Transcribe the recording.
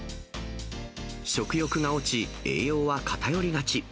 食欲が落ち、栄養は偏りがち。